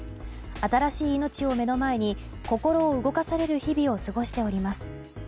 新しい命を目の前に心を動かされる日々を過ごしております。